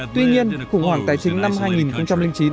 tuy nhiên khủng hoảng tài chính năm hai nghìn chín